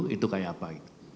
itu kayak apa itu